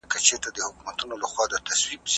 ایا ډاکټر د رنځ لامل وموند؟